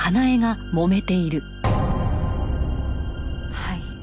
はい。